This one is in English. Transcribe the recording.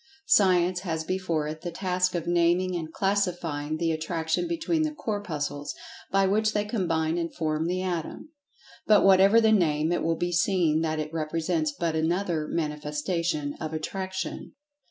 Science has before it the task of naming, and classifying, the attraction between the Corpuscles, by which they combine and form the Atom. But whatever the name, it will be seen that it represents but another manifestation of "Attraction."